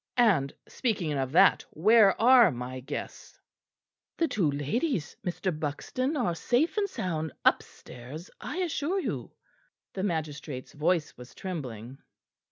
And, speaking of that, where are my guests?" "The two ladies, Mr. Buxton, are safe and sound upstairs, I assure you." The magistrate's voice was trembling.